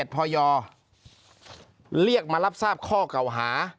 พยเรียกมารับทราบข้อเก่าหา